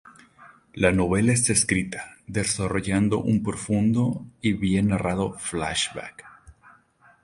La novela está escrita desarrollando un profundo y bien narrado flashback.